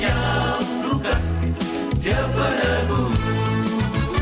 yang lukas dia berdebu